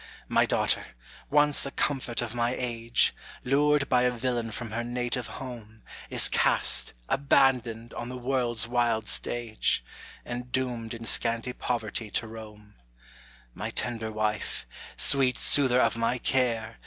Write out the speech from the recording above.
My daughter, once the comfort of my age! Lured by a villain from her native home, Is cast, abandoned, on the world's wild stage, And doomed in scanty poverty to roam. My tender wife, sweet soother of my care!